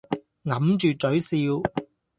抿着嘴笑。